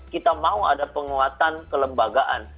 kita mau ada penguatan kelembagaan